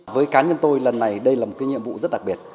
với cá nhân tôi lần này đây là một cái nhiệm vụ rất đặc biệt